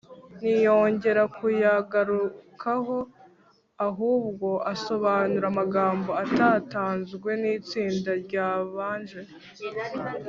ntiyongera kuyagarukaho ahubwo asobanura amagambo atatanzwe n’itsinda ryabanje.